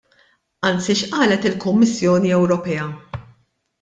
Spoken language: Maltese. Anzi x'qalet il-Kummissjoni Ewropea?